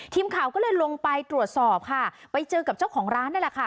ทีมข่าวก็เลยลงไปตรวจสอบค่ะไปเจอกับเจ้าของร้านนั่นแหละค่ะ